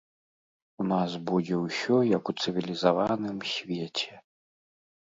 У нас будзе ўсё, як у цывілізаваным свеце.